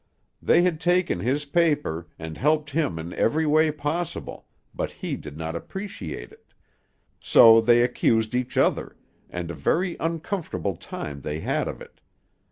They had taken his paper, and helped him in every way possible, but he did not appreciate it; so they accused each other, and a very uncomfortable time they had of it.